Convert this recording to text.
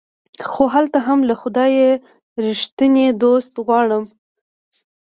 خو هلته هم له خدايه ريښتيني دوست غواړم